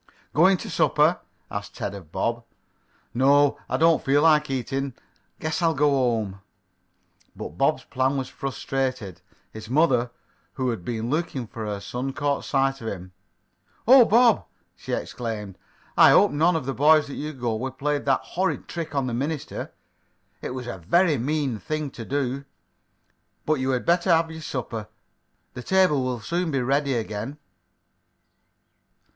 "Going to supper?" asked Ted of Bob. "No. I don't feel like eating. Guess I'll go home." But Bob's plan was frustrated. His mother, who had been looking for her son, caught sight of him. "Oh, Bob!" she exclaimed. "I hope none of the boys that you go with played that horrid trick on the minister! It was a very mean thing to do! But you had better have your supper. The table will soon be ready again."